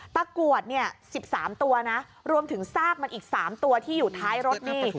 กรวดเนี่ย๑๓ตัวนะรวมถึงซากมันอีก๓ตัวที่อยู่ท้ายรถนี่